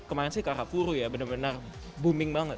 kemarin sih karapuru ya benar benar booming banget